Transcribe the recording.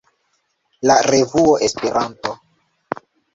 la revuo Esperanto.